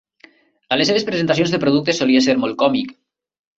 A les seves presentacions de productes, solia ser molt còmic.